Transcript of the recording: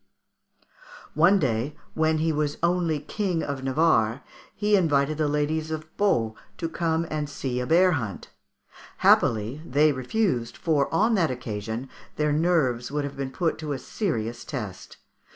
One day, when he was only King of Navarre, he invited the ladies of Pau to come and see a bear hunt. Happily they refused, for on that occasion their nerves would have been put to a serious test.